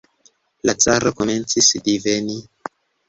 La caro komencis diveni.